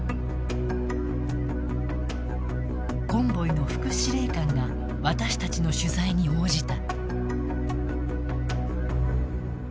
コンボイの副司令官が私たちの取材に応じた。